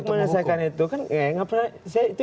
kan negara ada instrumennya untuk menyelesaikan itu